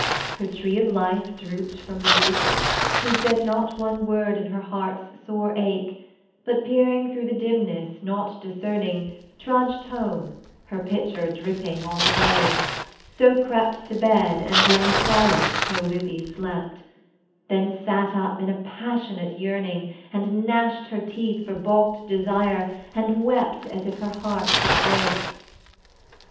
Her tree of life drooped from the root: She said not one word in her heart's sore ache; But peering thro' the dimness, naught discerning, Trudged home, her pitcher dripping all the way; So crept to bed, and lay Silent till Lizzie slept; Then sat up in a passionate yearning, And gnashed her teeth for balked desire, and wept As if her heart would break.